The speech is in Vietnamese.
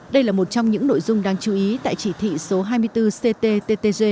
đây là một trong những nội dung đáng chú ý tại chỉ thị số hai mươi bốn cttg